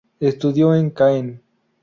Estudió en Caen.